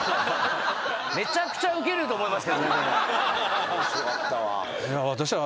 めちゃくちゃウケると思いますけどね。